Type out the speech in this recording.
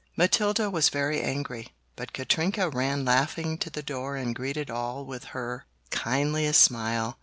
Matilda was very angry, but Katrinka ran laughing to the door and greeted all with her kindliest smile.